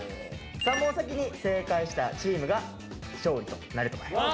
３問先に正解したチームが勝利となると。